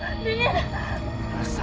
adakah pada lah